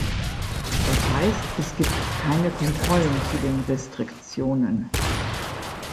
Das heißt, es gibt keine Kontrollen zu den Restriktionen.